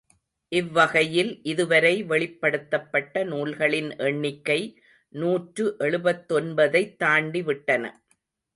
இவ்வகையில், இதுவரை வெளிப்படுத்தப்பபட்ட நூல்களின் எண்ணிக்கை நூற்று எழுபத்தொன்பதைத் தாண்டி விட்டன!